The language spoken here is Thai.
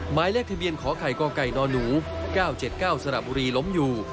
หมายเลขทะเบียนขอไข่กไก่นหนู๙๗๙สระบุรีล้มอยู่